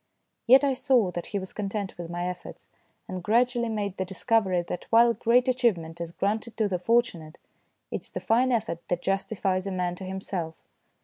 Yet I saw that he was content with my efforts, and gradually made the discovery that while great achievement is granted to the fortu nate, it is the fine effort that justifies a man to himself.